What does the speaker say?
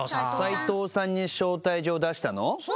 斉藤さんに招待状出したの？